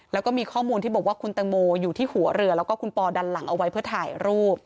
แล้วก็มีข้อมูลที่บอกว่าคุณตังโมอยู่ที่หัวเรือแล้วก็คุณปอดันหลังเอาไว้เพื่อถ่ายรูป